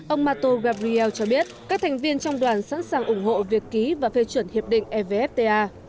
ông mato gabriel cho biết các thành viên trong đoàn sẵn sàng ủng hộ việc ký và phê chuẩn hiệp định evfta